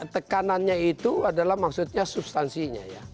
tekanannya itu adalah maksudnya substansinya ya